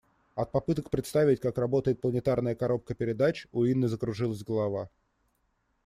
От попыток представить, как работает планетарная коробка передач, у Инны закружилась голова.